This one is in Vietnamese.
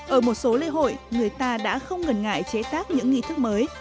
ở một số lễ hội người ta đã không ngần ngại chế tác những nghi thức mới